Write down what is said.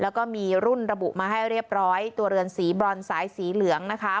แล้วก็มีรุ่นระบุมาให้เรียบร้อยตัวเรือนสีบรอนสายสีเหลืองนะคะ